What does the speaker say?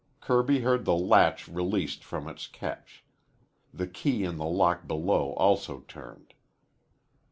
Kirby heard the latch released from its catch. The key in the lock below also turned.